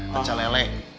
pecah lele ya